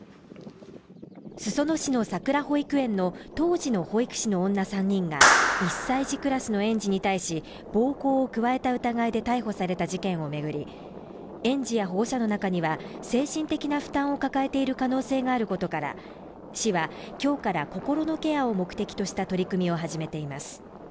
裾野市のさくら保育園の当時の保育士の女３人が１歳児クラスの園児に対し暴行を加えた疑いで逮捕された事件をめぐり園児や保護者の中には精神的な負担を抱えている可能性があることから市は今日から心のケアを目的とした取り組みを始めています